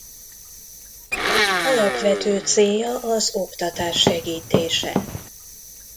Alapvető célja az oktatás segítése.